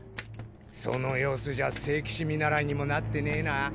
その様子じゃ聖騎士見習いにもなってねぇな。